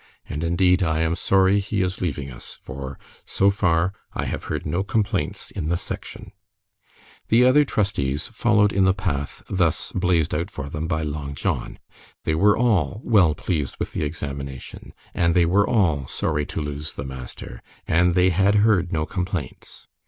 And indeed I am sorry he is leaving us, for, so far, I have heard no complaints in the Section." The other trustees followed in the path thus blazed out for them by Long John. They were all well pleased with the examination, and they were all sorry to lose the master, and they had heard no complaints.